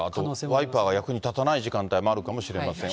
ワイパーが役に立たない時間帯もあるかもしれません。